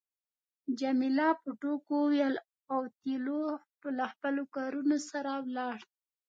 جميله په ټوکو وویل اوتیلو له خپلو کارونو سره ولاړ.